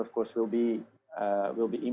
akan terpengaruh kemudian